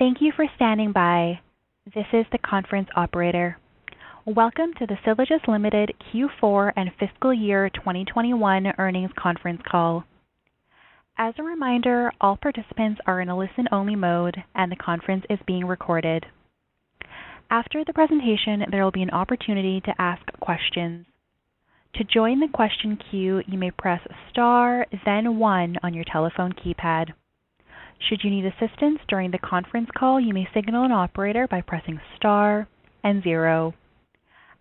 Thank you for standing by. This is the conference operator. Welcome to the Sylogist Limited Q4 and Fiscal Year 2021 Earnings Conference Call. As a reminder, all participants are in a listen-only mode, and the conference is being recorded. After the presentation, there will be an opportunity to ask questions. To join the question queue, you may press star then one on your telephone keypad. Should you need assistance during the conference call, you may signal an operator by pressing star and zero.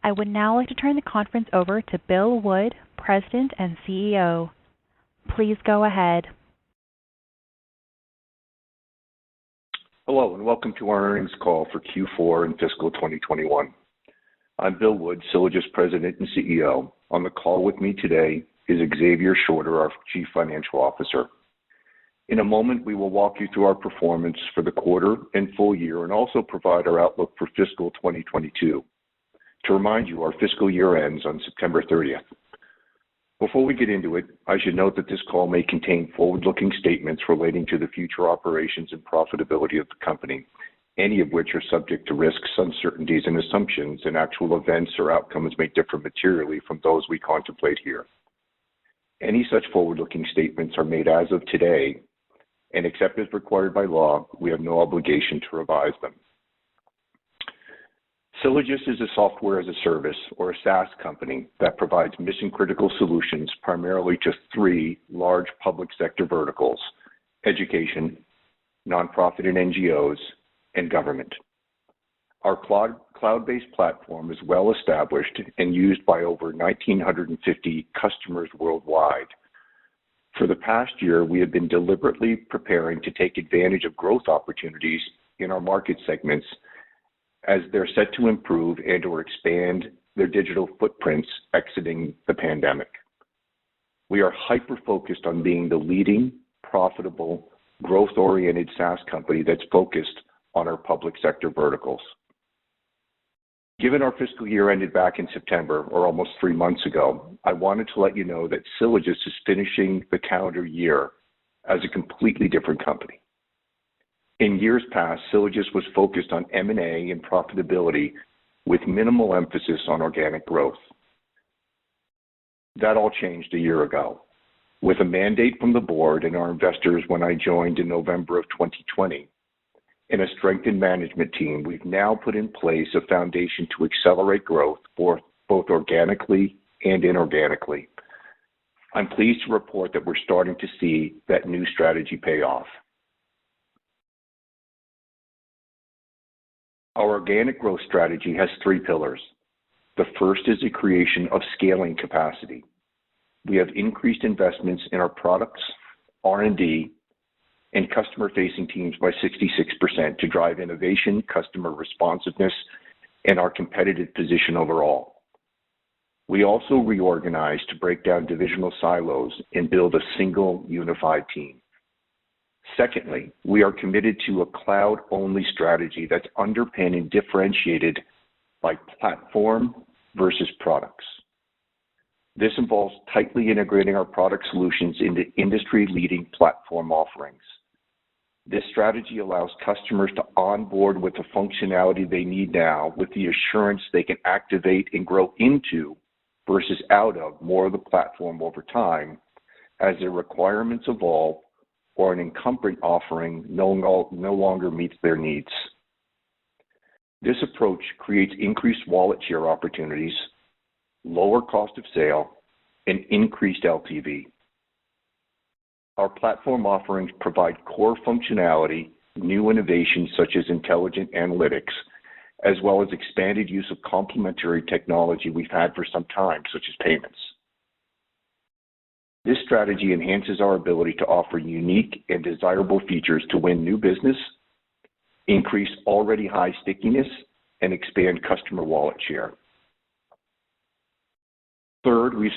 I would now like to turn the conference over to Bill Wood, President and CEO. Please go ahead. Hello, and welcome to our earnings call for Q4 in fiscal 2021. I'm Bill Wood, Sylogist President and CEO. On the call with me today is Xavier Shorter, our Chief Financial Officer. In a moment, we will walk you through our performance for the quarter and full year and also provide our outlook for fiscal 2022. To remind you, our fiscal year ends on September 30th. Before we get into it, I should note that this call may contain forward-looking statements relating to the future operations and profitability of the company, any of which are subject to risks, uncertainties, and assumptions, and actual events or outcomes may differ materially from those we contemplate here. Any such forward-looking statements are made as of today, and except as required by law, we have no obligation to revise them. Sylogist is a software as a service or a SaaS company that provides mission-critical solutions primarily to three large public sector verticals, education, nonprofit and NGOs, and government. Our cloud-based platform is well established and used by over 1,950 customers worldwide. For the past year, we have been deliberately preparing to take advantage of growth opportunities in our market segments as they're set to improve and/or expand their digital footprints exiting the pandemic. We are hyper-focused on being the leading profitable, growth-oriented SaaS company that's focused on our public sector verticals. Given our fiscal year ended back in September or almost three months ago, I wanted to let you know that Sylogist is finishing the calendar year as a completely different company. In years past, Sylogist was focused on M&A and profitability with minimal emphasis on organic growth. That all changed a year ago with a mandate from the board and our investors when I joined in November 2020. In a strengthened management team, we've now put in place a foundation to accelerate growth for both organically and inorganically. I'm pleased to report that we're starting to see that new strategy pay off. Our organic growth strategy has three pillars. The first is the creation of scaling capacity. We have increased investments in our products, R&D, and customer-facing teams by 66% to drive innovation, customer responsiveness, and our competitive position overall. We also reorganized to break down divisional silos and build a single unified team. Secondly, we are committed to a cloud-only strategy that's underpinned and differentiated by platform versus products. This involves tightly integrating our product solutions into industry-leading platform offerings. This strategy allows customers to onboard with the functionality they need now with the assurance they can activate and grow into versus out of more of the platform over time as their requirements evolve or an incumbent offering no longer meets their needs. This approach creates increased wallet share opportunities, lower cost of sale, and increased LTV. Our platform offerings provide core functionality, new innovations such as intelligent analytics, as well as expanded use of complementary technology we've had for some time, such as payments. This strategy enhances our ability to offer unique and desirable features to win new business, increase already high stickiness, and expand customer wallet share. Third, we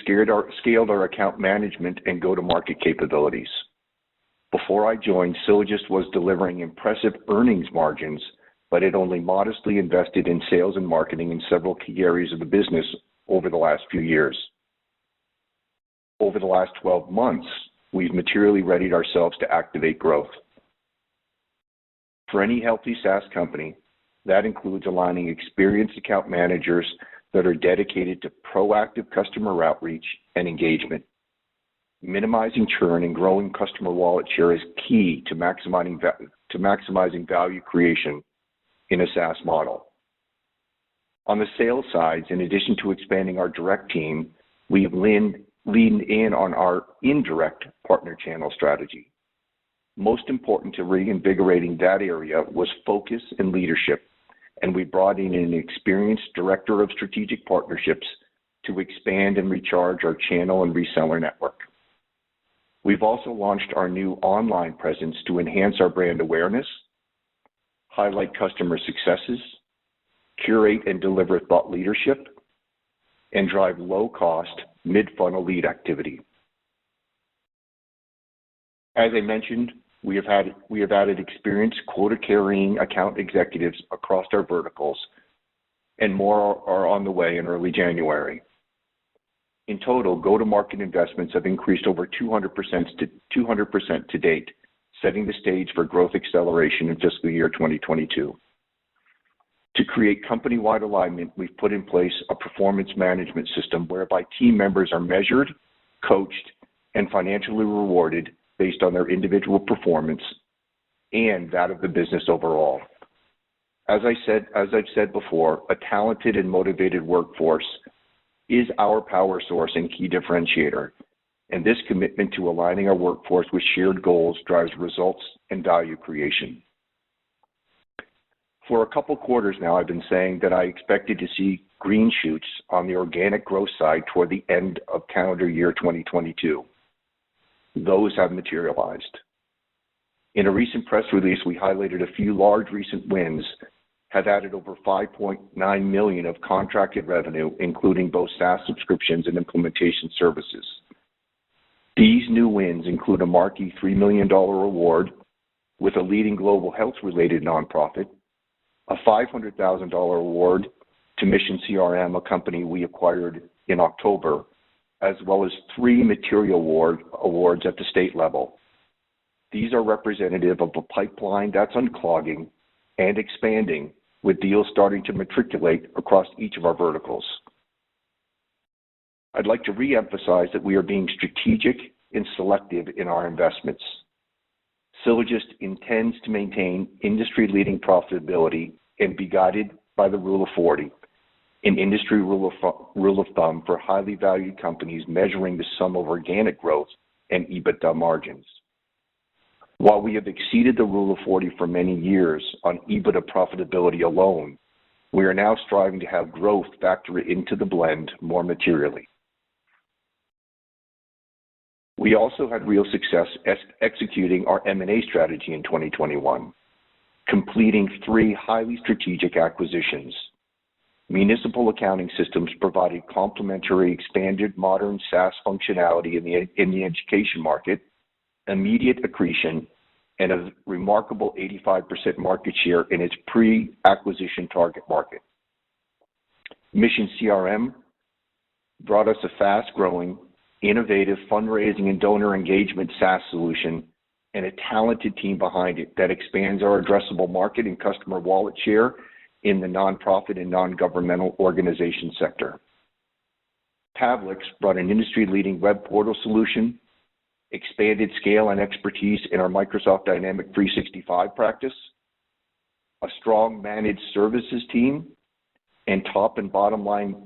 scaled our account management and go-to-market capabilities. Before I joined, Sylogist was delivering impressive earnings margins, but it only modestly invested in sales and marketing in several key areas of the business over the last few years. Over the last 12 months, we've materially readied ourselves to activate growth. For any healthy SaaS company, that includes aligning experienced account managers that are dedicated to proactive customer outreach and engagement. Minimizing churn and growing customer wallet share is key to maximizing value creation in a SaaS model. On the sales side, in addition to expanding our direct team, we have leaned in on our indirect partner channel strategy. Most important to reinvigorating that area was focus and leadership, and we brought in an experienced director of strategic partnerships to expand and recharge our channel and reseller network. We've also launched our new online presence to enhance our brand awareness, highlight customer successes, curate and deliver thought leadership, and drive low-cost mid-funnel lead activity. As I mentioned, we have added experienced quota-carrying account executives across our verticals, and more are on the way in early January. In total, go-to-market investments have increased over 200% to date, setting the stage for growth acceleration in fiscal year 2022. To create company-wide alignment, we've put in place a performance management system whereby team members are measured, coached, and financially rewarded based on their individual performance and that of the business overall. As I said, as I've said before, a talented and motivated workforce is our power source and key differentiator, and this commitment to aligning our workforce with shared goals drives results and value creation. For a couple of quarters now, I've been saying that I expected to see green shoots on the organic growth side toward the end of calendar year 2022. Those have materialized. In a recent press release, we highlighted a few large recent wins, have added over 5.9 million of contracted revenue, including both SaaS subscriptions and implementation services. These new wins include a marquee 3 million dollar award with a leading global health-related nonprofit, a 500,000 award to MissionCRM, a company we acquired in October, as well as three material awards at the state level. These are representative of the pipeline that's unclogging and expanding with deals starting to matriculate across each of our verticals. I'd like to re-emphasize that we are being strategic and selective in our investments. Sylogist intends to maintain industry-leading profitability and be guided by the Rule of 40, an industry rule of thumb for highly valued companies measuring the sum of organic growth and EBITDA margins. While we have exceeded the Rule of 40 for many years on EBITDA profitability alone, we are now striving to have growth factored into the blend more materially. We also had real success executing our M&A strategy in 2021, completing three highly strategic acquisitions. Municipal Accounting Systems provided complementary, expanded modern SaaS functionality in the education market, immediate accretion, and a remarkable 85% market share in its pre-acquisition target market. MissionCRM brought us a fast-growing, innovative fundraising and donor engagement SaaS solution and a talented team behind it that expands our addressable market and customer wallet share in the nonprofit and nongovernmental organization sector. Pavliks brought an industry-leading web portal solution, expanded scale and expertise in our Microsoft Dynamics 365 practice, a strong managed services team, and top and bottom lines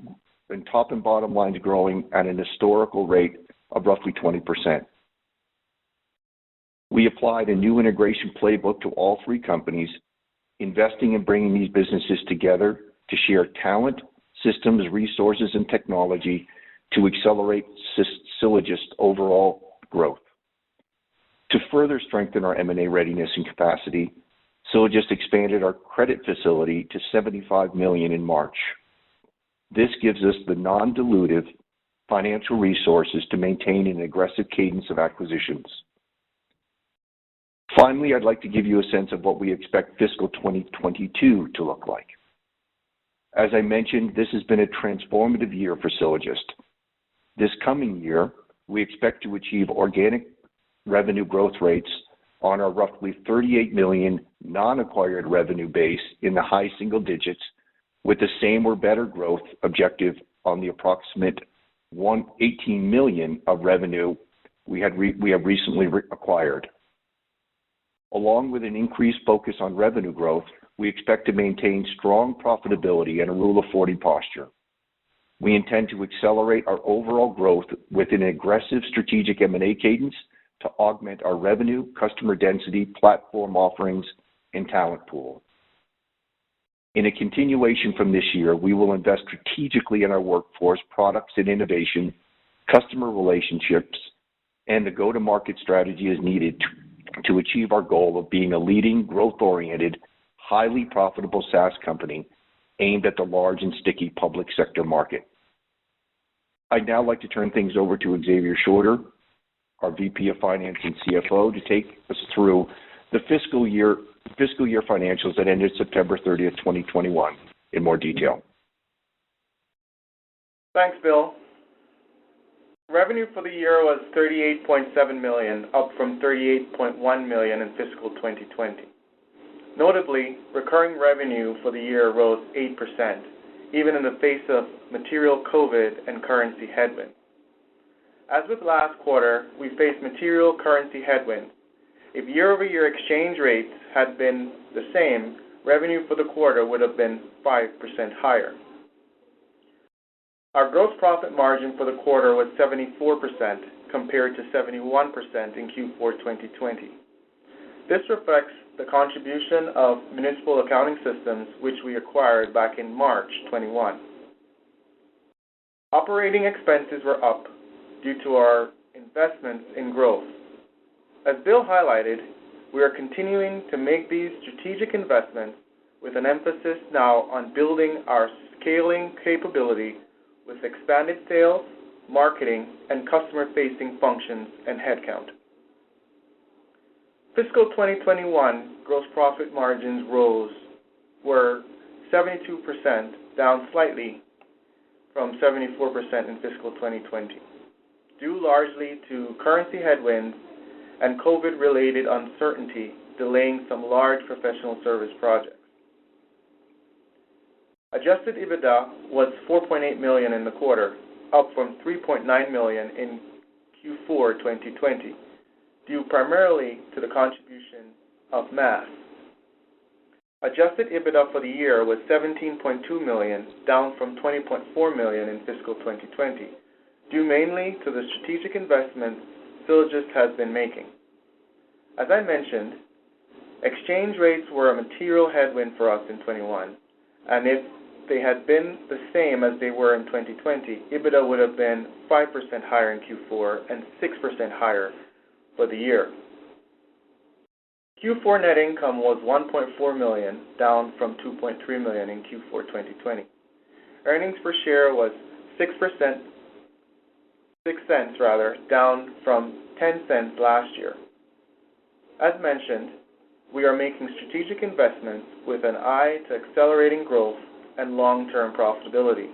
growing at an historical rate of roughly 20%. We applied a new integration playbook to all three companies, investing in bringing these businesses together to share talent, systems, resources, and technology to accelerate Sylogist's overall growth. To further strengthen our M&A readiness and capacity, Sylogist expanded our credit facility to 75 million in March. This gives us the non-dilutive financial resources to maintain an aggressive cadence of acquisitions. Finally, I'd like to give you a sense of what we expect fiscal 2022 to look like. As I mentioned, this has been a transformative year for Sylogist. This coming year, we expect to achieve organic revenue growth rates on our roughly 38 million non-acquired revenue base in the high single digits with the same or better growth objective on the approximate 18 million of revenue we have recently re-acquired. Along with an increased focus on revenue growth, we expect to maintain strong profitability and a Rule of 40 posture. We intend to accelerate our overall growth with an aggressive strategic M&A cadence to augment our revenue, customer density, platform offerings, and talent pool. In a continuation from this year, we will invest strategically in our workforce, products and innovation, customer relationships, and the go-to-market strategy as needed to achieve our goal of being a leading, growth-oriented, highly profitable SaaS company aimed at the large and sticky public sector market. I'd now like to turn things over to Xavier Shorter, our VP of Finance and CFO, to take us through the fiscal year financials that ended September 30th, 2021 in more detail. Thanks, Bill. Revenue for the year was 38.7 million, up from 38.1 million in fiscal 2020. Notably, recurring revenue for the year rose 8%, even in the face of material COVID and currency headwind. As with last quarter, we faced material currency headwind. If year-over-year exchange rates had been the same, revenue for the quarter would have been 5% higher. Our gross profit margin for the quarter was 74%, compared to 71% in Q4 2020. This reflects the contribution of Municipal Accounting Systems, which we acquired back in March 2021. Operating expenses were up due to our investments in growth. As Bill highlighted, we are continuing to make these strategic investments with an emphasis now on building our scaling capability with expanded sales, marketing, and customer-facing functions and headcount. Fiscal 2021 gross profit margins were 72%, down slightly from 74% in fiscal 2020, due largely to currency headwinds and COVID-related uncertainty, delaying some large professional service projects. Adjusted EBITDA was 4.8 million in the quarter, up from 3.9 million in Q4 2020, due primarily to the contribution of MAS. Adjusted EBITDA for the year was 17.2 million, down from 20.4 million in fiscal 2020, due mainly to the strategic investments Sylogist has been making. As I mentioned, exchange rates were a material headwind for us in 2021, and if they had been the same as they were in 2020, EBITDA would have been 5% higher in Q4 and 6% higher for the year. Q4 net income was 1.4 million, down from 2.3 million in Q4 2020. Earnings per share was 0.06 Rather, down from 0.10 last year. As mentioned, we are making strategic investments with an eye to accelerating growth and long-term profitability.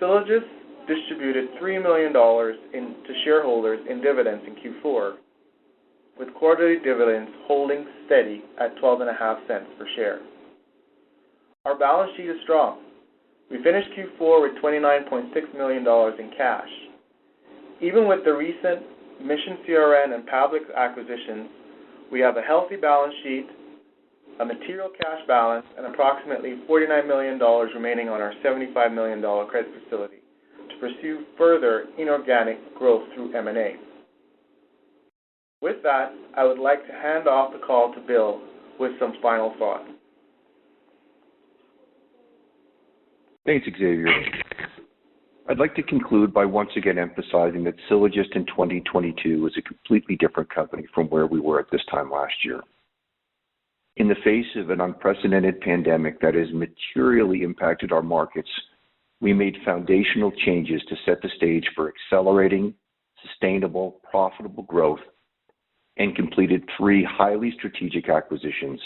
Sylogist distributed 3 million dollars to shareholders in dividends in Q4, with quarterly dividends holding steady at 12.5 cents per share. Our balance sheet is strong. We finished Q4 with 29.6 million dollars in cash. Even with the recent MissionCRM and Pavliks acquisitions, we have a healthy balance sheet, a material cash balance, and approximately 49 million dollars remaining on our 75 million dollar credit facility to pursue further inorganic growth through M&A. With that, I would like to hand off the call to Bill with some final thoughts. Thanks, Xavier. I'd like to conclude by once again emphasizing that Sylogist in 2022 is a completely different company from where we were at this time last year. In the face of an unprecedented pandemic that has materially impacted our markets, we made foundational changes to set the stage for accelerating, sustainable, profitable growth and completed three highly strategic acquisitions.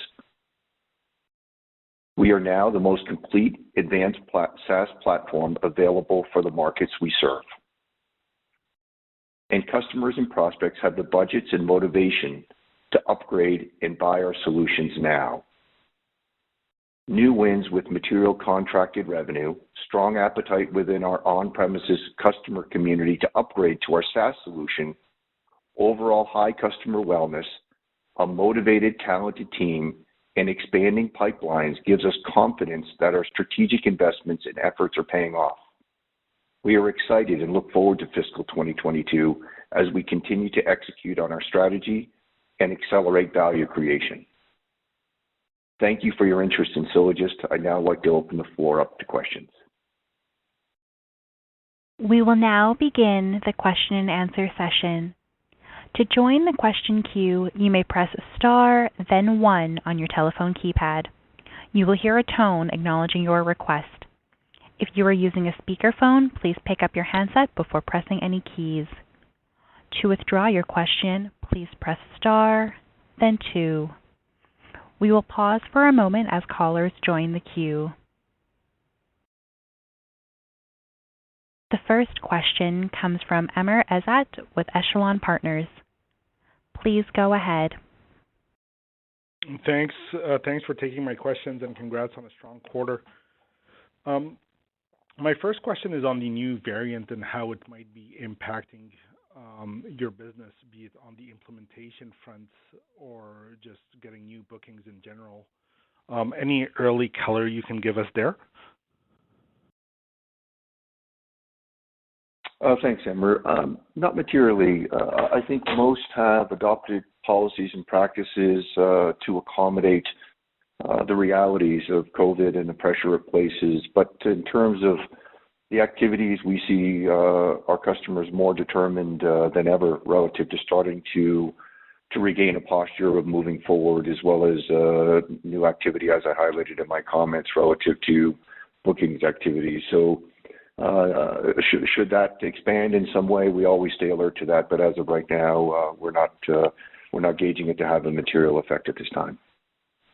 We are now the most complete advanced SaaS platform available for the markets we serve. Customers and prospects have the budgets and motivation to upgrade and buy our solutions now. New wins with material contracted revenue, strong appetite within our on-premises customer community to upgrade to our SaaS solution, overall high customer wellness, a motivated, talented team, and expanding pipelines gives us confidence that our strategic investments and efforts are paying off. We are excited and look forward to fiscal 2022 as we continue to execute on our strategy and accelerate value creation. Thank you for your interest in Sylogist. I'd now like to open the floor up to questions. We will now begin the question and answer session. To join the question queue, you may press star then one on your telephone keypad. You will hear a tone acknowledging your request. If you are using a speakerphone, please pick up your handset before pressing any keys. To withdraw your question, please press star then two. We will pause for a moment as callers join the queue. The first question comes from Amr Ezzat with Echelon Wealth Partners. Please go ahead. Thanks. Thanks for taking my questions, and congrats on a strong quarter. My first question is on the new variant and how it might be impacting your business, be it on the implementation fronts or just getting new bookings in general. Any early color you can give us there? Thanks, Amr. Not materially. I think most have adopted policies and practices to accommodate the realities of COVID and the pressure it places. In terms of the activities, we see our customers more determined than ever relative to starting to regain a posture of moving forward as well as new activity, as I highlighted in my comments, relative to bookings activity. Should that expand in some way, we always stay alert to that. As of right now, we're not gauging it to have a material effect at this time.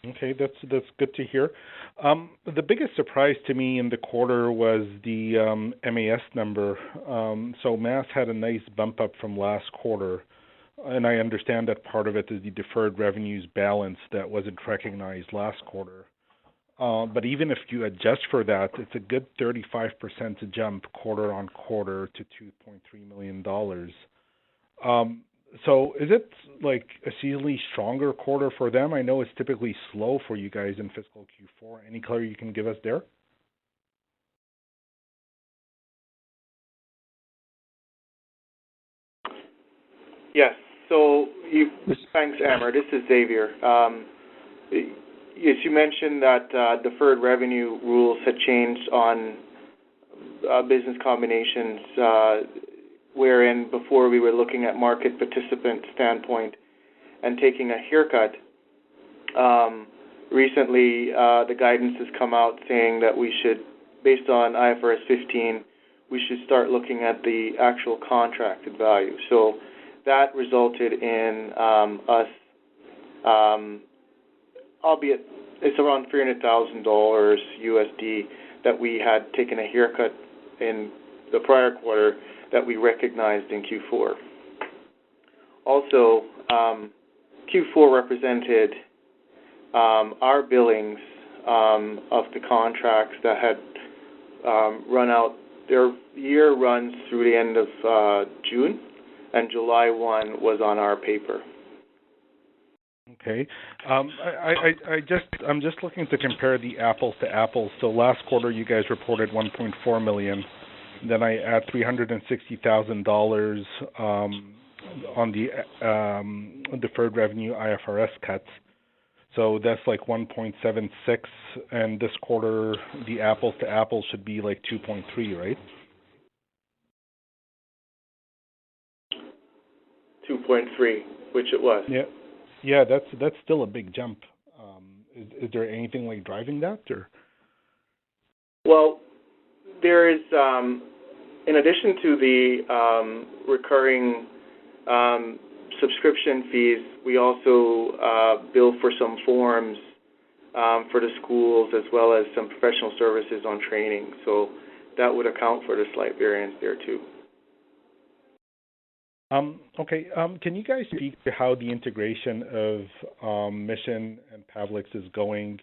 Okay. That's good to hear. The biggest surprise to me in the quarter was the MAS number. MAS had a nice bump up from last quarter, and I understand that part of it is the deferred revenues balance that wasn't recognized last quarter. Even if you adjust for that, it's a good 35% jump quarter on quarter to 2.3 million dollars. Is it like a seasonally stronger quarter for them? I know it's typically slow for you guys in fiscal Q4. Any color you can give us there? Thanks, Amr. This is Xavier. As you mentioned that deferred revenue rules have changed on business combinations, wherein before we were looking at market participant standpoint and taking a haircut. Recently, the guidance has come out saying that we should, based on IFRS 15, start looking at the actual contracted value. That resulted in us, albeit it's around $300,000 that we had taken a haircut in the prior quarter that we recognized in Q4. Also, Q4 represented our billings of the contracts that had run out. Their year runs through the end of June, and July 1 was on our paper. Okay. I'm just looking to compare the apples to apples. Last quarter, you guys reported 1.4 million. Then I add 360,000 dollars on the deferred revenue IFRS cuts. That's like 1.76 million. This quarter, the apples to apples should be like 2.3 million, right? 2.3 million, which it was. Yeah, that's still a big jump. Is there anything, like, driving that or? Well, there is, in addition to the recurring subscription fees, we also bill for some forms for the schools as well as some professional services on training. That would account for the slight variance there too. Okay. Can you guys speak to how the integration of Mission and Pavliks is going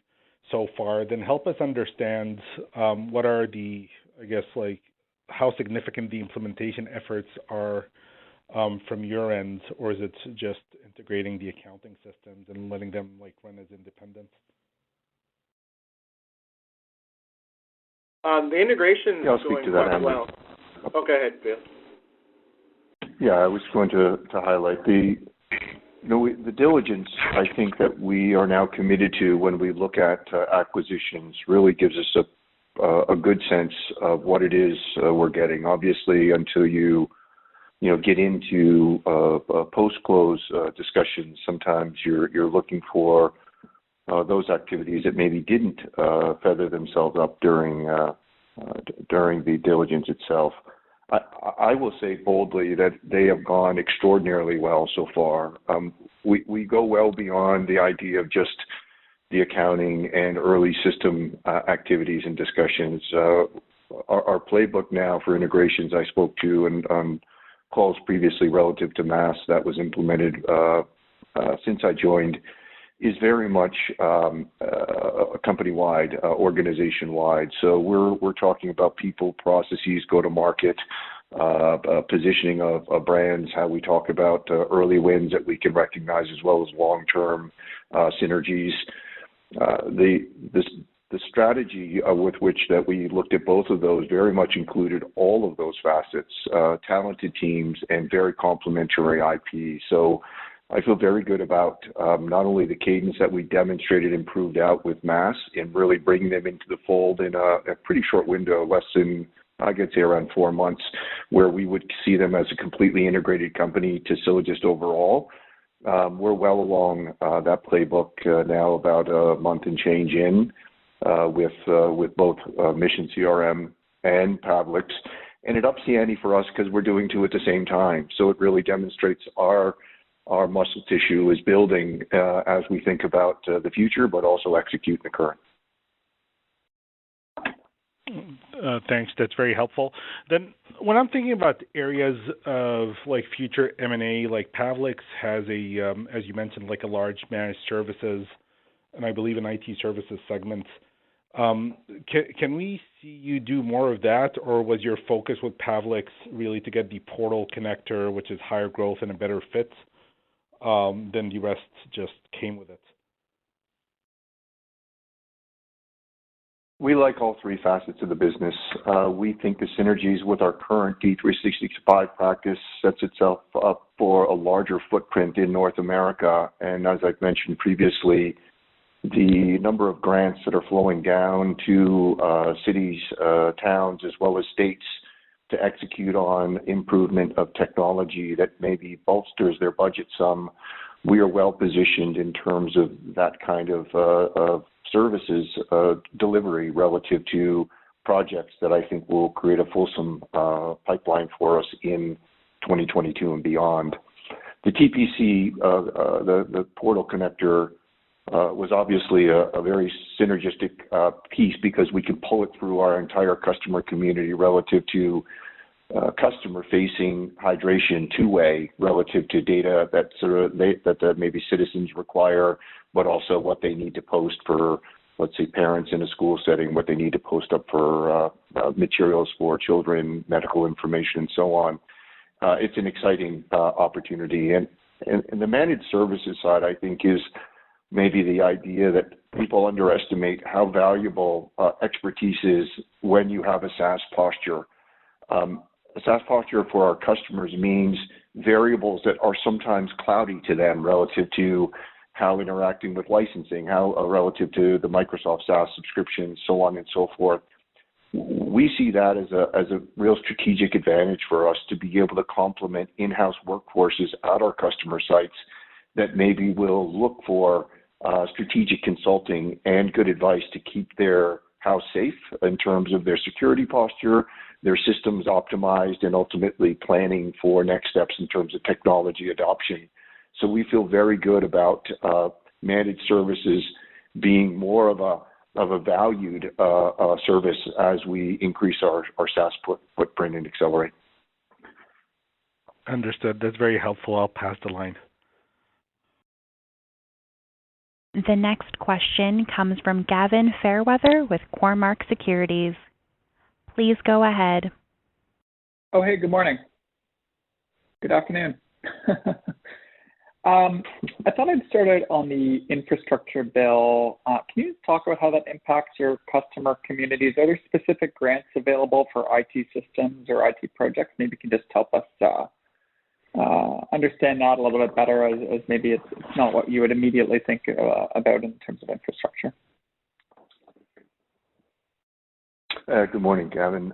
so far? Help us understand what are the, I guess, like, how significant the implementation efforts are from your end, or is it just integrating the accounting systems and letting them, like, run as independent? The integration I'll speak to that, Amr. Oh, go ahead, Bill. Yeah, I was going to highlight. You know, the diligence I think that we are now committed to when we look at acquisitions really gives us a good sense of what it is we're getting. Obviously, until you know get into a post-close discussion, sometimes you're looking for those activities that maybe didn't fester themselves up during the diligence itself. I will say boldly that they have gone extraordinarily well so far. We go well beyond the idea of just the accounting and early system activities and discussions. Our playbook now for integrations I spoke to on calls previously relative to MAS that was implemented since I joined is very much company-wide, organization-wide. We're talking about people, processes, go-to-market, positioning of brands, how we talk about early wins that we can recognize as well as long-term synergies. The strategy with which we looked at both of those very much included all of those facets, talented teams and very complementary IP. I feel very good about not only the cadence that we demonstrated improved out with MAS and really bringing them into the fold in a pretty short window, less than I could say around four months, where we would see them as a completely integrated company to Sylogist overall. We're well along that playbook now about one month and change in with both Mission CRM and Pavliks. It ups the ante for us 'cause we're doing two at the same time. It really demonstrates our muscle tissue is building as we think about the future, but also execute the current. Thanks. That's very helpful. When I'm thinking about areas of like future M&A, like Pavliks has a, as you mentioned, like a large managed services and I believe an IT services segment. Can we see you do more of that? Or was your focus with Pavliks really to get the Portal Connector, which is higher growth and a better fit, then the rest just came with it? We like all three facets of the business. We think the synergies with our current D365 practice sets itself up for a larger footprint in North America. As I've mentioned previously, the number of grants that are flowing down to cities, towns, as well as states to execute on improvement of technology that maybe bolsters their budget some, we are well positioned in terms of that kind of services delivery relative to projects that I think will create a fulsome pipeline for us in 2022 and beyond. The TPC, the portal connector, was obviously a very synergistic piece because we can pull it through our entire customer community relative to customer-facing integration two-way relative to data that maybe citizens require, but also what they need to post for, let's say, parents in a school setting, what they need to post up for materials for children, medical information and so on. It's an exciting opportunity. The managed services side, I think, is maybe the idea that people underestimate how valuable expertise is when you have a SaaS posture. A SaaS posture for our customers means variables that are sometimes cloudy to them relative to how interacting with licensing, how relative to the Microsoft SaaS subscription, so on and so forth. We see that as a real strategic advantage for us to be able to complement in-house workforces at our customer sites that maybe will look for strategic consulting and good advice to keep their house safe in terms of their security posture, their systems optimized, and ultimately planning for next steps in terms of technology adoption. We feel very good about managed services being more of a valued service as we increase our SaaS footprint and accelerate. Understood. That's very helpful. I'll pass the line. The next question comes from Gavin Fairweather with Cormark Securities. Please go ahead. Oh, hey, good morning. Good afternoon. I thought I'd start out on the infrastructure bill. Can you talk about how that impacts your customer communities? Are there specific grants available for IT systems or IT projects? Maybe you can just help us understand that a little bit better as maybe it's not what you would immediately think about in terms of infrastructure. Good morning, Gavin.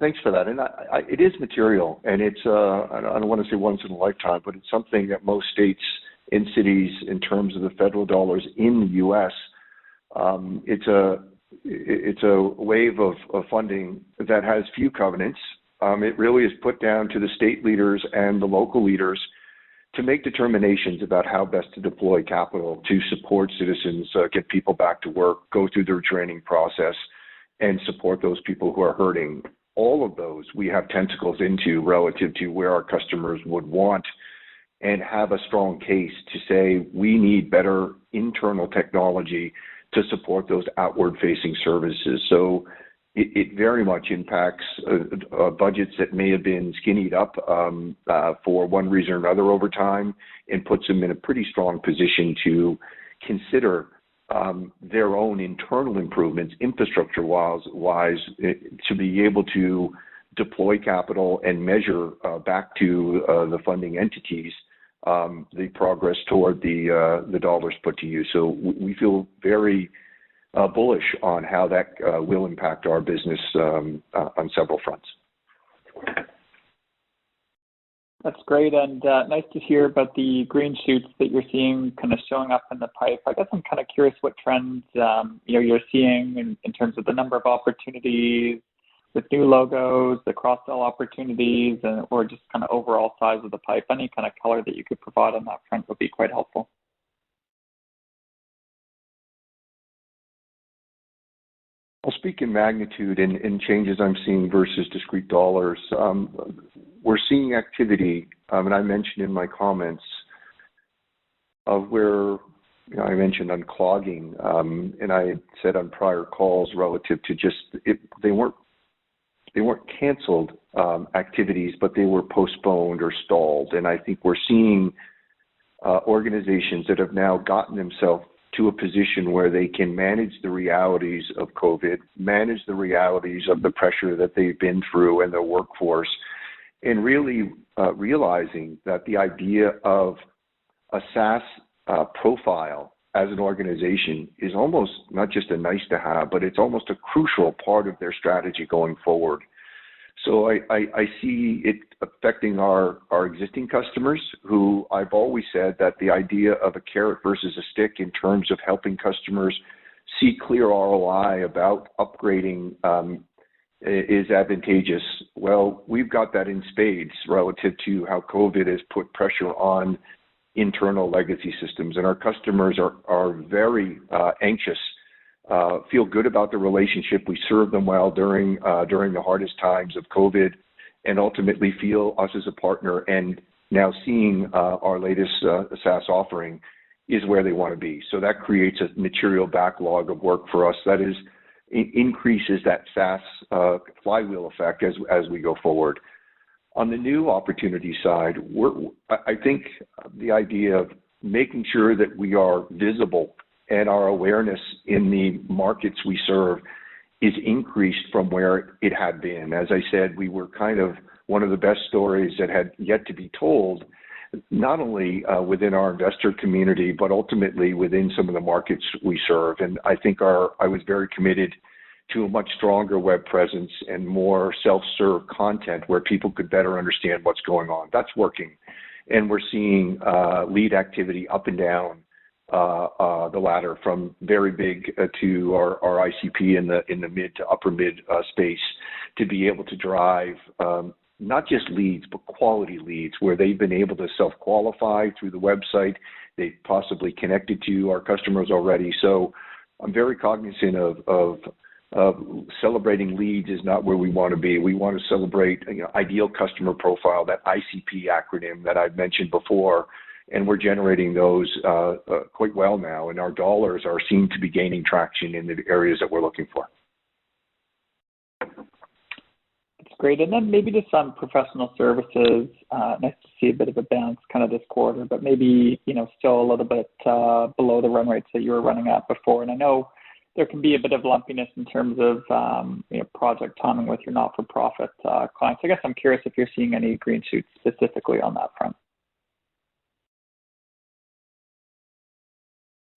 Thanks for that. It is material, and it's. I don't wanna say once in a lifetime, but it's something that most states and cities in terms of the federal dollars in the U.S., it's a wave of funding that has few covenants. It really is put down to the state leaders and the local leaders to make determinations about how best to deploy capital to support citizens, get people back to work, go through their training process, and support those people who are hurting. All of those we have tentacles into relative to where our customers would want and have a strong case to say, "We need better internal technology to support those outward-facing services." It very much impacts budgets that may have been skinnied up for one reason or another over time, and puts them in a pretty strong position to consider their own internal improvements infrastructure-wise to be able to deploy capital and measure back to the funding entities the progress toward the dollars put to use. We feel very bullish on how that will impact our business on several fronts. That's great, and nice to hear about the green shoots that you're seeing kind of showing up in the pipe. I guess I'm kind of curious what trends, you know, you're seeing in terms of the number of opportunities with new logos, the cross-sell opportunities, or just kind of overall size of the pipe. Any kind of color that you could provide on that front would be quite helpful. I'll speak in magnitude in changes I'm seeing versus discrete dollars. We're seeing activity, and I mentioned in my comments of where, you know, I mentioned unclogging, and I said on prior calls relative to just they weren't canceled activities, but they were postponed or stalled. I think we're seeing organizations that have now gotten themselves to a position where they can manage the realities of COVID, manage the realities of the pressure that they've been through in their workforce, and really realizing that the idea of a SaaS profile as an organization is almost not just a nice-to-have, but it's almost a crucial part of their strategy going forward. I see it affecting our existing customers who I've always said that the idea of a carrot versus a stick in terms of helping customers see clear ROI about upgrading is advantageous. Well, we've got that in spades relative to how COVID has put pressure on internal legacy systems. Our customers are very anxious, feel good about the relationship. We served them well during the hardest times of COVID, and ultimately feel us as a partner, and now seeing our latest SaaS offering is where they wanna be. That creates a material backlog of work for us that increases that SaaS flywheel effect as we go forward. On the new opportunity side, I think the idea of making sure that we are visible and our awareness in the markets we serve is increased from where it had been. As I said, we were kind of one of the best stories that had yet to be told, not only within our investor community, but ultimately within some of the markets we serve. I think I was very committed to a much stronger web presence and more self-serve content where people could better understand what's going on. That's working. We're seeing lead activity up and down the ladder from very big to our ICP in the mid to upper mid space to be able to drive not just leads, but quality leads where they've been able to self-qualify through the website. They've possibly connected to our customers already. I'm very cognizant of celebrating leads is not where we wanna be. We wanna celebrate, you know, ideal customer profile, that ICP acronym that I've mentioned before, and we're generating those quite well now, and our dollars are seeming to be gaining traction in the areas that we're looking for. That's great. Then maybe just on professional services, nice to see a bit of a bounce kind of this quarter, but maybe, you know, still a little bit below the run rates that you were running at before. I know there can be a bit of lumpiness in terms of, you know, project timing with your not-for-profit clients. I guess I'm curious if you're seeing any green shoots specifically on that front.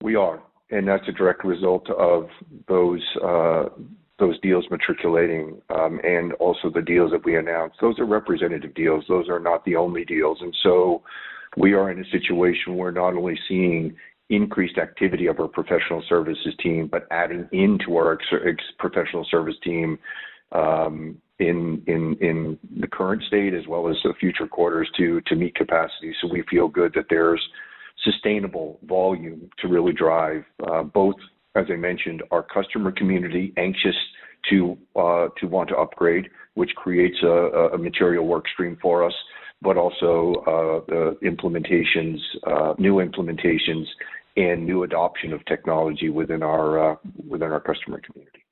We are, and that's a direct result of those deals materializing, and also the deals that we announced. Those are representative deals. Those are not the only deals. We are in a situation where we're not only seeing increased activity of our professional services team, but adding into our existing professional services team in the current state as well as the future quarters to meet capacity. We feel good that there's sustainable volume to really drive both, as I mentioned, our customer community anxious to want to upgrade, which creates a material work stream for us. But also the new implementations and new adoption of technology within our customer community.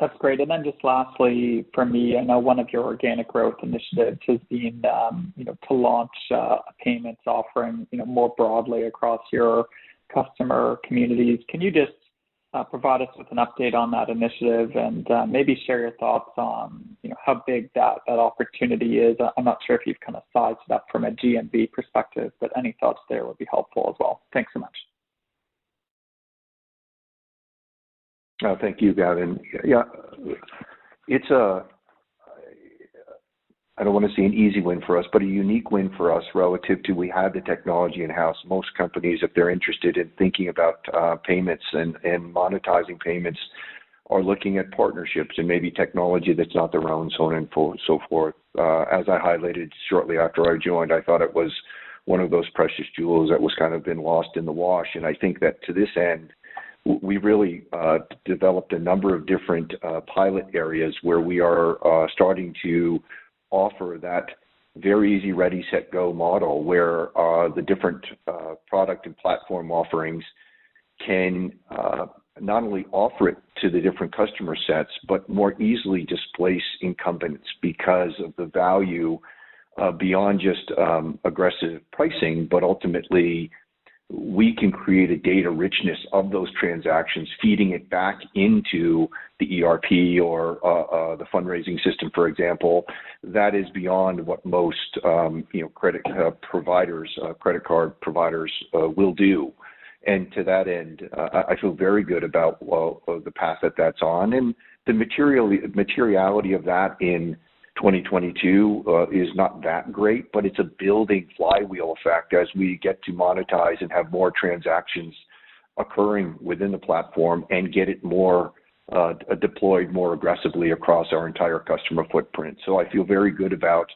That's great. Just lastly from me, I know one of your organic growth initiatives has been, you know, to launch a payments offering, you know, more broadly across your customer communities. Can you just provide us with an update on that initiative and, maybe share your thoughts on, you know, how big that opportunity is? I'm not sure if you've kind of sized that from a GMV perspective, but any thoughts there would be helpful as well. Thanks so much. Thank you, Gavin. Yeah. It's I don't wanna say an easy win for us, but a unique win for us relative to we have the technology in-house. Most companies, if they're interested in thinking about payments and monetizing payments, are looking at partnerships and maybe technology that's not their own, so on and so forth. As I highlighted shortly after I joined, I thought it was one of those precious jewels that was kind of been lost in the wash. I think that to this end, we really developed a number of different pilot areas where we are starting to offer that very easy ready, set, go model, where the different product and platform offerings can not only offer it to the different customer sets, but more easily displace incumbents because of the value beyond just aggressive pricing. Ultimately, we can create a data richness of those transactions, feeding it back into the ERP or the fundraising system, for example. That is beyond what most you know credit providers credit card providers will do. I feel very good about the path that that's on. The materiality of that in 2022 is not that great, but it's a building flywheel effect as we get to monetize and have more transactions occurring within the platform and get it more deployed more aggressively across our entire customer footprint. I feel very good about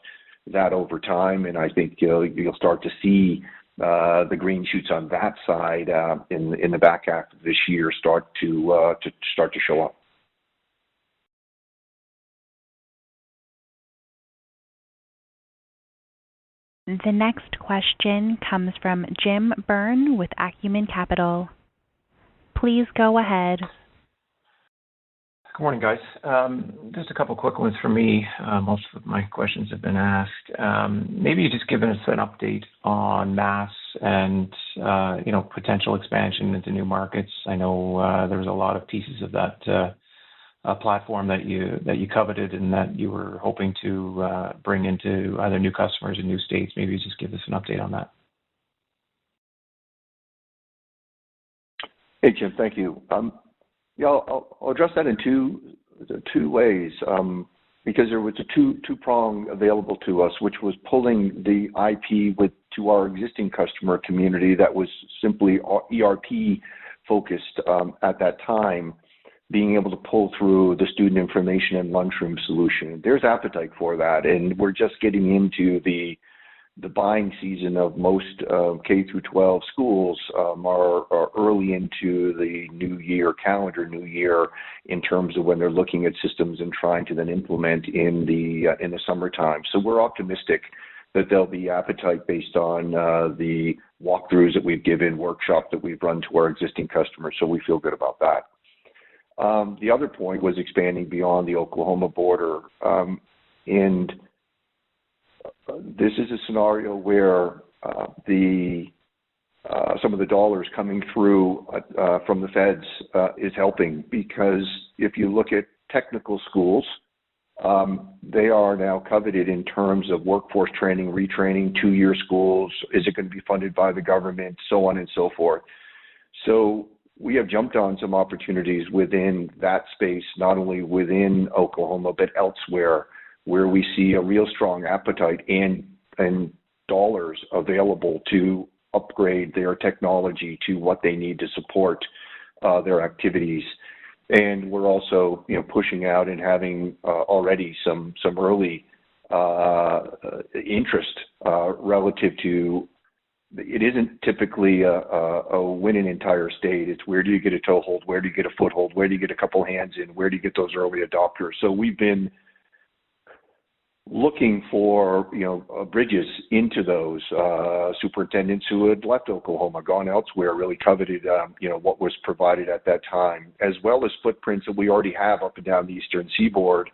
that over time, and I think you'll start to see the green shoots on that side in the back half of this year start to show up. The next question comes from Jim Byrne with Acumen Capital. Please go ahead. Good morning, guys. Just a couple quick ones for me. Most of my questions have been asked. Maybe just giving us an update on MAS and, you know, potential expansion into new markets. I know, there's a lot of pieces of that platform that you coveted and that you were hoping to bring into either new customers or new states. Maybe just give us an update on that. Hey, Jim. Thank you. Yeah, I'll address that in two ways, because there was a two prong available to us, which was pulling the IP to our existing customer community that was simply ERP-focused, at that time, being able to pull through the student information and lunchroom solution. There's appetite for that, and we're just getting into the buying season of most K-12 schools are early into the new year, calendar new year, in terms of when they're looking at systems and trying to then implement in the summertime. We're optimistic that there'll be appetite based on the walkthroughs that we've given, workshop that we've run to our existing customers. We feel good about that. The other point was expanding beyond the Oklahoma border. This is a scenario where some of the dollars coming through from the feds is helping because if you look at technical schools, they are now coveted in terms of workforce training, retraining, two-year schools. Is it gonna be funded by the government? On and so forth. We have jumped on some opportunities within that space, not only within Oklahoma, but elsewhere, where we see a real strong appetite and dollars available to upgrade their technology to what they need to support their activities. We're also, you know, pushing out and having already some early interest relative to. It isn't typically a winning entire state. It's where do you get a toehold? Where do you get a foothold? Where do you get a couple hands in? Where do you get those early adopters? We've been looking for, you know, bridges into those, superintendents who had left Oklahoma, gone elsewhere, really coveted, you know, what was provided at that time, as well as footprints that we already have up and down the Eastern Seaboard,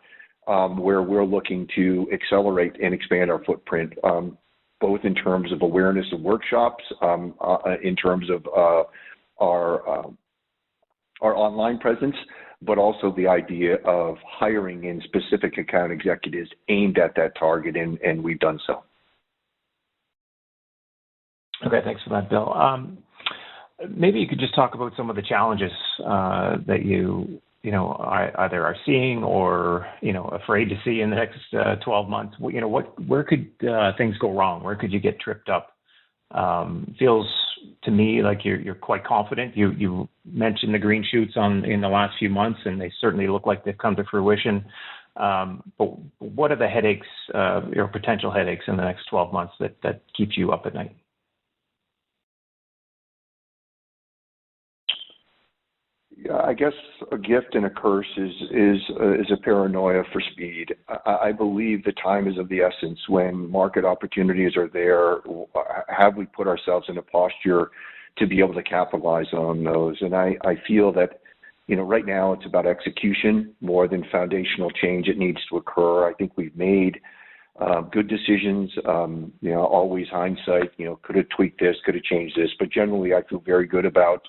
where we're looking to accelerate and expand our footprint, both in terms of awareness of workshops, in terms of, our online presence, but also the idea of hiring in specific account executives aimed at that target, and we've done so. Okay. Thanks for that, Bill. Maybe you could just talk about some of the challenges that you know either are seeing or you know afraid to see in the next 12 months. You know where could things go wrong? Where could you get tripped up? Feels to me like you're quite confident. You mentioned the green shoots in the last few months, and they certainly look like they've come to fruition. What are the headaches or potential headaches in the next 12 months that keeps you up at night? Yeah. I guess a gift and a curse is a paranoia for speed. I believe the time is of the essence when market opportunities are there. Have we put ourselves in a posture to be able to capitalize on those? I feel that, you know, right now it's about execution more than foundational change. It needs to occur. I think we've made good decisions. You know, always hindsight, you know, could have tweaked this, could have changed this. Generally, I feel very good about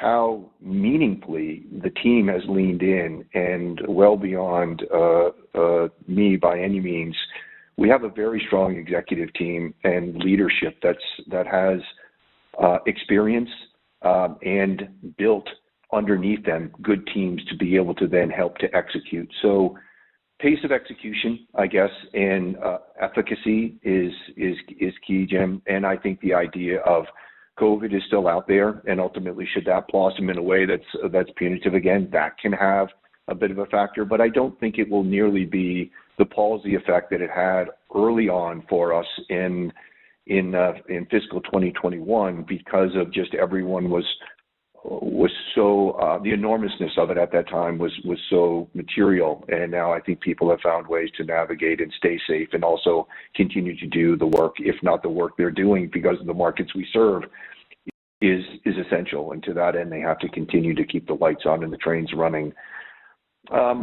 how meaningfully the team has leaned in and well beyond me by any means. We have a very strong executive team and leadership that has experience and built underneath them good teams to be able to then help to execute. Pace of execution, I guess, and efficacy is key, Jim. I think the idea of COVID is still out there, and ultimately should that blossom in a way that's punitive again, that can have a bit of a factor. I don't think it will nearly be the paralyzing effect that it had early on for us in fiscal 2021 because just everyone was so the enormousness of it at that time was so material. Now I think people have found ways to navigate and stay safe and also continue to do the work, if not the work they're doing because the markets we serve is essential. To that end, they have to continue to keep the lights on and the trains running. Yeah,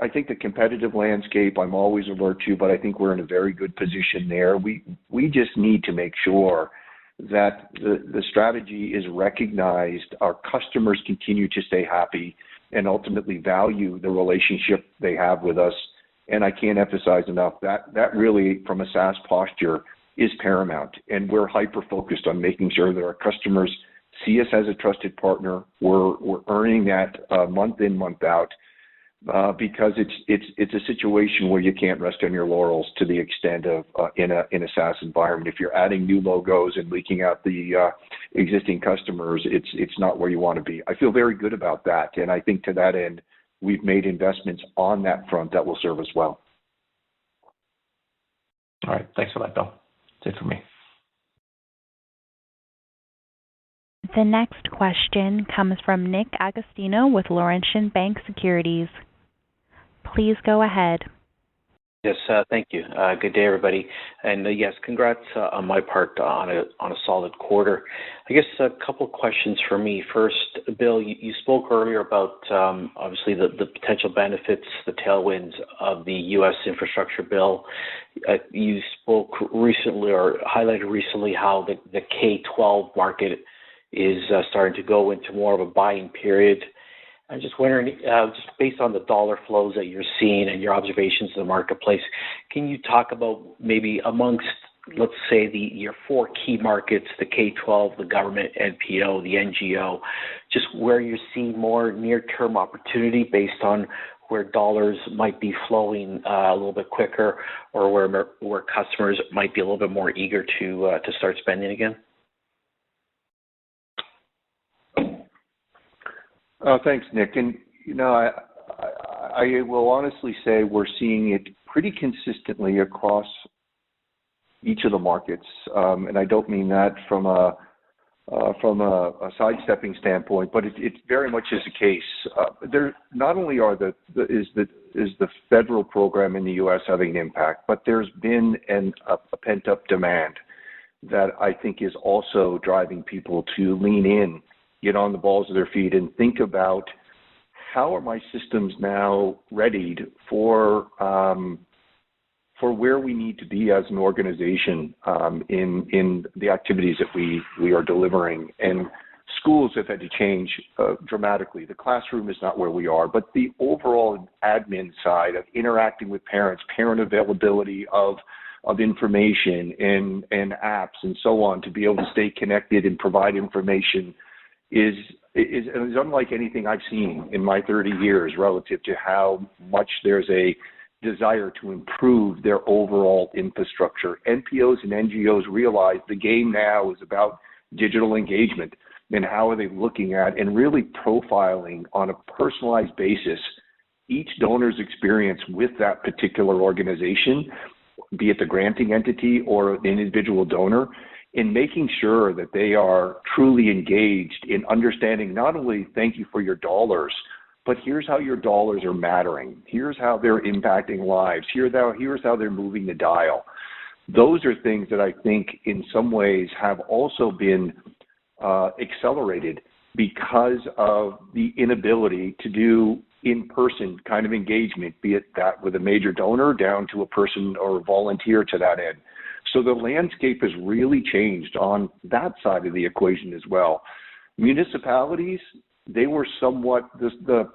I think the competitive landscape I'm always alert to, but I think we're in a very good position there. We just need to make sure that the strategy is recognized, our customers continue to stay happy and ultimately value the relationship they have with us. I can't emphasize enough that that really from a SaaS posture is paramount. We're hyper-focused on making sure that our customers see us as a trusted partner. We're earning that month in, month out because it's a situation where you can't rest on your laurels to the extent of in a SaaS environment. If you're adding new logos and leaking out the existing customers, it's not where you wanna be. I feel very good about that. I think to that end, we've made investments on that front that will serve us well. All right. Thanks for that, Bill. That's it for me. The next question comes from Nick Agostino with Laurentian Bank Securities. Please go ahead. Yes, thank you. Good day, everybody. Yes, congrats on my part on a solid quarter. I guess a couple questions for me. First, Bill, you spoke earlier about obviously the potential benefits, the tailwinds of the U.S. infrastructure bill. You spoke recently or highlighted recently how the K-12 market is starting to go into more of a buying period. I'm just wondering just based on the dollar flows that you're seeing and your observations in the marketplace, can you talk about maybe among, let's say, your four key markets, the K-12, the government, NPO, the NGO, just where you're seeing more near-term opportunity based on where dollars might be flowing a little bit quicker or where customers might be a little bit more eager to start spending again? Thanks, Nick. You know, I will honestly say we're seeing it pretty consistently across each of the markets. I don't mean that from a sidestepping standpoint, but it very much is the case. Not only is the federal program in the U.S. having an impact, but there's been a pent-up demand that I think is also driving people to lean in, get on the balls of their feet, and think about how are my systems now readied for where we need to be as an organization in the activities that we are delivering. Schools have had to change dramatically. The classroom is not where we are, but the overall admin side of interacting with parents, parent availability of information and apps and so on to be able to stay connected and provide information is unlike anything I've seen in my 30 years relative to how much there's a desire to improve their overall infrastructure. NPOs and NGOs realize the game now is about digital engagement, and how are they looking at and really profiling on a personalized basis each donor's experience with that particular organization, be it the granting entity or an individual donor, in making sure that they are truly engaged in understanding not only thank you for your dollars, but here's how your dollars are mattering. Here's how they're impacting lives. Here's how they're moving the dial. Those are things that I think in some ways have also been accelerated because of the inability to do in-person kind of engagement, be it that with a major donor down to a person or a volunteer to that end. The landscape has really changed on that side of the equation as well. Municipalities, they were somewhat the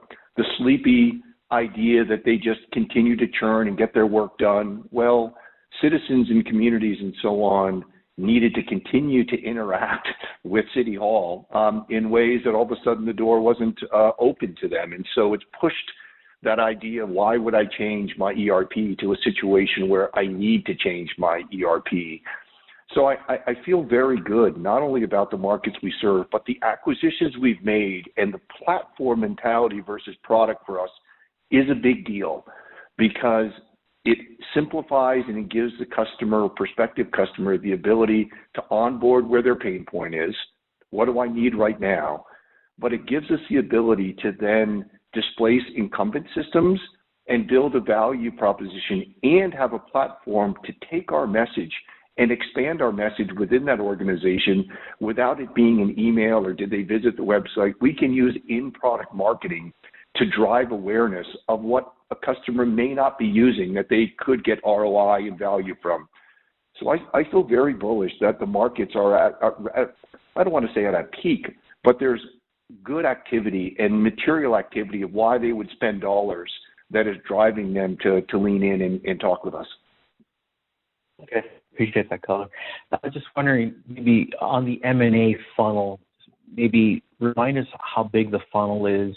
sleepy idea that they just continue to churn and get their work done. Well, citizens and communities and so on needed to continue to interact with city hall, in ways that all of a sudden the door wasn't open to them. It's pushed that idea, why would I change my ERP to a situation where I need to change my ERP. I feel very good not only about the markets we serve, but the acquisitions we've made and the platform mentality versus product for us is a big deal because it simplifies, and it gives the customer or prospective customer the ability to onboard where their pain point is. What do I need right now? It gives us the ability to then displace incumbent systems and build a value proposition and have a platform to take our message and expand our message within that organization without it being an email or did they visit the website. We can use in-product marketing to drive awareness of what a customer may not be using that they could get ROI and value from. I feel very bullish that the markets are at. I don't wanna say at a peak, but there's good activity and material activity of why they would spend dollars that is driving them to lean in and talk with us. Okay. Appreciate that color. I was just wondering maybe on the M&A funnel, maybe remind us how big the funnel is.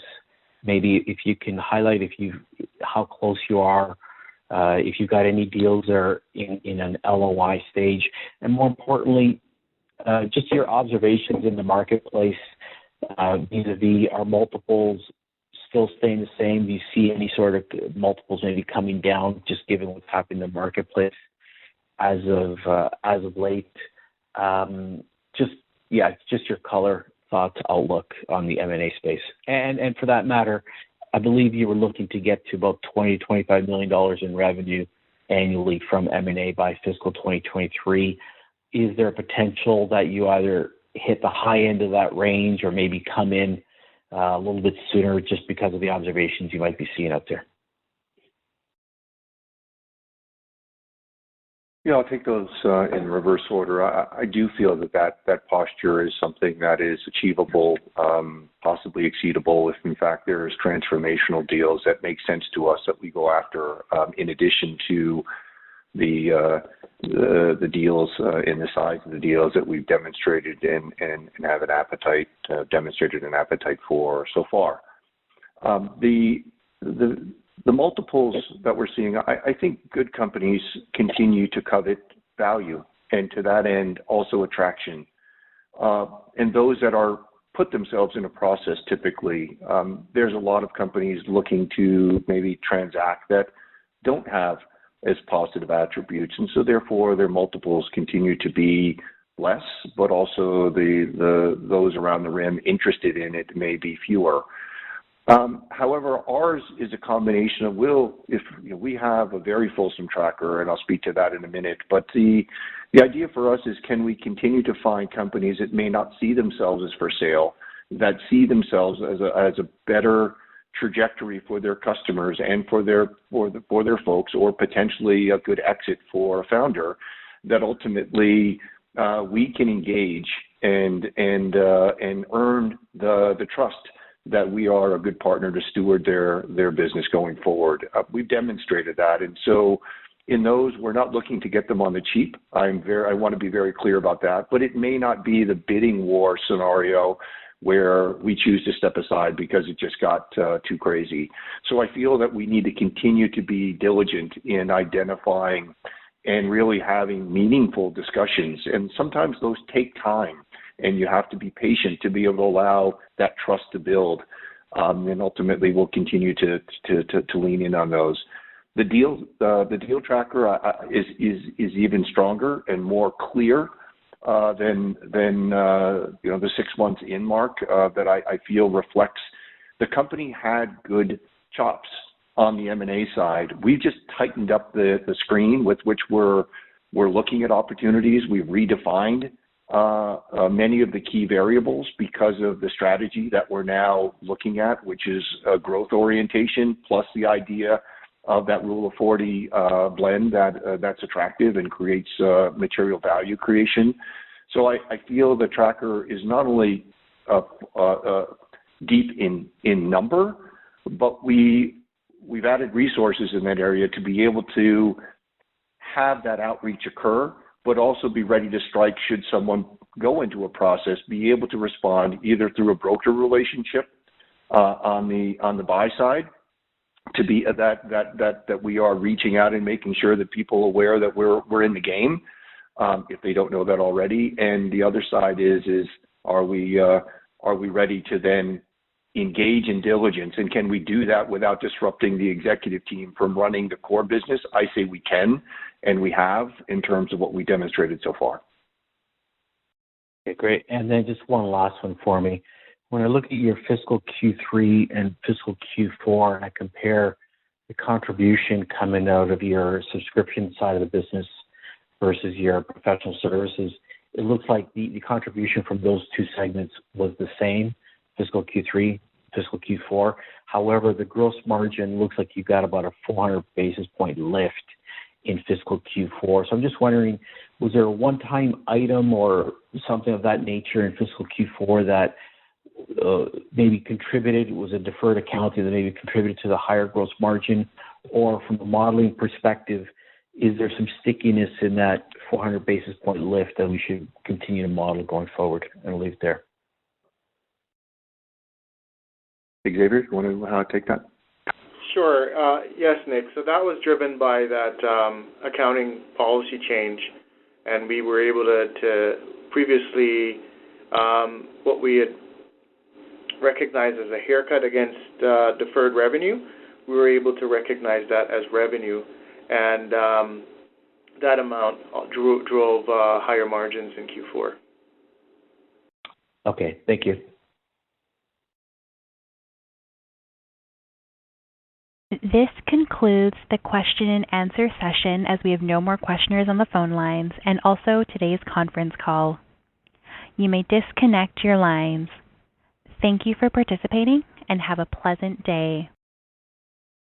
Maybe if you can highlight how close you are, if you've got any deals or in an LOI stage. More importantly, just your observations in the marketplace, either the. Are multiples still staying the same? Do you see any sort of multiples maybe coming down just given what's happened in the marketplace as of, as of late? Just your color, thoughts, outlook on the M&A space. For that matter, I believe you were looking to get to about 20 million-25 million dollars in revenue annually from M&A by fiscal 2023. Is there a potential that you either hit the high end of that range or maybe come in, a little bit sooner just because of the observations you might be seeing out there? Yeah, I'll take those in reverse order. I do feel that posture is something that is achievable, possibly exceedable if in fact there are transformational deals that make sense to us that we go after, in addition to the deals and the size of the deals that we've demonstrated and have an appetite for so far. The multiples that we're seeing, I think good companies continue to command value, and to that end, also attraction. Those that put themselves in a process typically, there's a lot of companies looking to maybe transact that don't have as positive attributes, and so therefore, their multiples continue to be less, but also those around the room interested in it may be fewer. However, ours is a combination of. You know, we have a very fulsome tracker, and I'll speak to that in a minute. The idea for us is can we continue to find companies that may not see themselves as for sale, that see themselves as a better trajectory for their customers and for their folks or potentially a good exit for a founder that ultimately we can engage and earn the trust that we are a good partner to steward their business going forward. We've demonstrated that. In those, we're not looking to get them on the cheap. I'm very. I wanna be very clear about that. It may not be the bidding war scenario where we choose to step aside because it just got too crazy. I feel that we need to continue to be diligent in identifying and really having meaningful discussions. Sometimes those take time, and you have to be patient to be able to allow that trust to build. Ultimately we'll continue to lean in on those. The deal tracker is even stronger and more clear than you know the six-month mark that I feel reflects the company had good chops on the M&A side. We just tightened up the screen with which we're looking at opportunities. We've redefined many of the key variables because of the strategy that we're now looking at, which is a growth orientation plus the idea of that Rule of 40 blend that's attractive and creates material value creation. I feel the tracker is not only deep in number, but we've added resources in that area to be able to have that outreach occur, but also be ready to strike should someone go into a process, be able to respond either through a broker relationship on the buy side to be that we are reaching out and making sure that people are aware that we're in the game if they don't know that already. The other side is are we ready to then engage in diligence, and can we do that without disrupting the executive team from running the core business? I say we can, and we have in terms of what we demonstrated so far. Okay, great. Just one last one for me. When I look at your fiscal Q3 and fiscal Q4, and I compare the contribution coming out of your subscription side of the business versus your professional services, it looks like the contribution from those two segments was the same, fiscal Q3, fiscal Q4. However, the gross margin looks like you've got about a 400 basis point lift in fiscal Q4. I'm just wondering, was there a one-time item or something of that nature in fiscal Q4 that maybe contributed? Was it deferred accounting that maybe contributed to the higher gross margin? Or from a modeling perspective, is there some stickiness in that 400 basis point lift that we should continue to model going forward? I'm gonna leave it there. Xavier, do you wanna take that? Sure. Yes, Nick. That was driven by that accounting policy change, and what we had recognized as a haircut against deferred revenue, we were able to recognize that as revenue, and that amount drove higher margins in Q4. Okay. Thank you. This concludes the question and answer session as we have no more questioners on the phone lines and also today's conference call. You may disconnect your lines. Thank you for participating, and have a pleasant day.